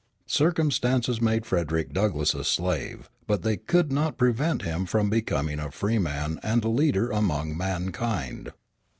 Circumstances made Frederick Douglass a slave, but they could not prevent him from becoming a freeman and a leader among mankind.